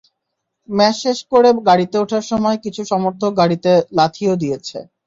Match শেষে করে গাড়িতে ওঠার সময় কিছু সমর্থক গাড়িতে লাথিও দিয়েছে।